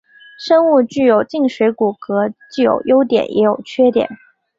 生物具有静水骨骼既有优点也有缺点。